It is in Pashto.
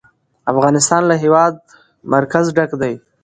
افغانستان له د هېواد مرکز ډک دی.